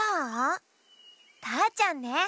ターちゃんね。